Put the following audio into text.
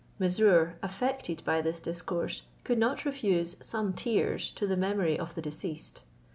Mesrour, affected by this discourse, could not refuse some tears to the memory of the deceased.